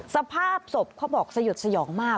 สภาพศพเขาบอกสยดสยองมาก